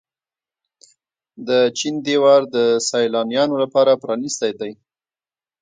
د چین دیوار د سیلانیانو لپاره پرانیستی دی.